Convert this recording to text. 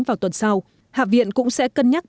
vào tuần sau hạ viện cũng sẽ cân nhắc